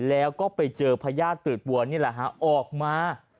แล้วก็ไปเจอพญาติตืดบัวนี่แหละฮะออกมา